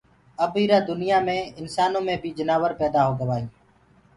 اب ايٚ را دُنيآ مي انسآنو مي بي جنآور پيدآ هوگآ هين